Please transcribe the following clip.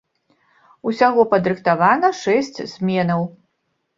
Усяго падрыхтавана шэсць зменаў.